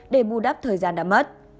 để bù đắp thời gian đã mất